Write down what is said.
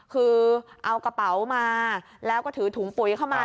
คือเอากระเป๋ามาแล้วก็ถือถุงปุ๋ยเข้ามา